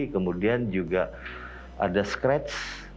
kemudian juga ada scratch